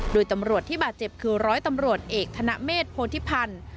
โดยตำรวจที่บาดเจ็บคือร้อยตำรวจเอกธนเมษโพธิพันธ์